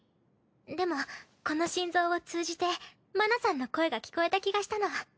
でもこの心臓を通じて麻奈さんの声が聞こえた気がしたの。